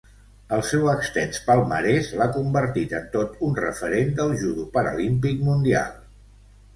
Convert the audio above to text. El seu extens palmarès l'ha convertit en tot un referent del judo paralímpic mundial.